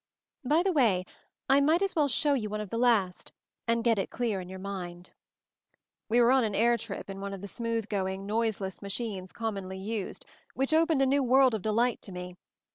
By the way, I might as well show you one of those last, and get it clear in your mind." We were on an air trip in one of the MOVING THE MOUNTAIN 145 smooth going, noiseless machines commonly used, which opened a new world of delight to me.